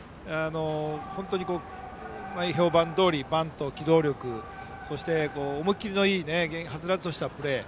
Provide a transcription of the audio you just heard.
本当に前評判どおりバント、機動力そして、思い切りのいい元気はつらつとしたプレー。